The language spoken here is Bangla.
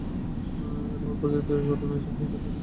অ্যারোহেড প্রজেক্টের কারণে এসব হয়েছে, তাই না?